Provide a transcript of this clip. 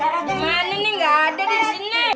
mana nih gak ada di sini